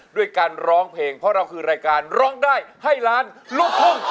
ด้วยการร้องเพลงเพราะเราคือรายการร้องได้ให้ล้านลูกทุ่ง